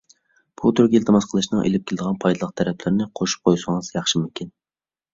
بۇ تۈرگە ئىلتىماس قىلىشنىڭ ئېلىپ كېلىدىغان پايدىلىق تەرەپلىرىنى قوشۇپ قويسىڭىز ياخشىمىكىن.